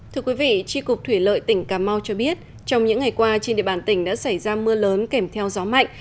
thưa quý vị tri cục thủy lợi tỉnh cà mau cho biết trong những ngày qua trên địa bàn tỉnh đã xảy ra mưa lớn kèm theo gió mạnh